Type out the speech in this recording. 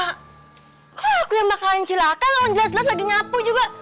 kok aku yang bakalan cilaka kalau jelas jelas lagi nyapu juga